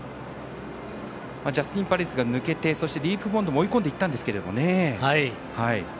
ジャスティンパレスが抜けてそして、ディープボンドも追い込んでいったんですけれどもね。